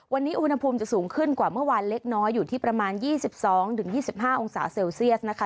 วันนี้อุณหภูมิจะสูงขึ้นกว่าเมื่อวานเล็กน้อยอยู่ที่ประมาณยี่สิบสองหรือยี่สิบห้าองศาเซลเซียสนะคะ